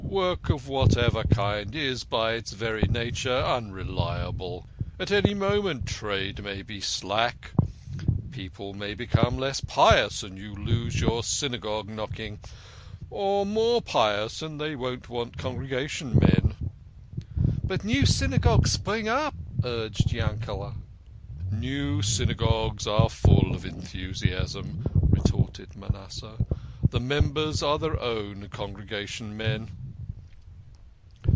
Work of whatever kind is by its very nature unreliable. At any moment trade may be slack. THE KING OF SCHNORRERS. 71 People may become less pious, and you lose your Synagogue knocking. Or more pious and they won't want congre gation men." " But new Synagogues spring up," urged Yankele". "New Synagogues are full of enthusiasm," retorted Manasseh. "The members are their own congregation men."